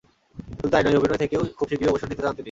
শুধু তা–ই নয়, অভিনয় থেকেও খুব শিগগিরই অবসর নিতে চান তিনি।